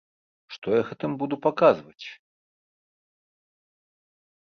Што я гэтым буду паказваць?